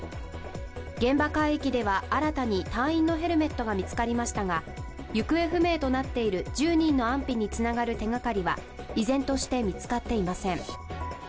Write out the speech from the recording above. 現場海域では新たに隊員のヘルメットが見つかりましたが、行方不明となっている１０人の安否につながる手がかりは依然として見つかっていません。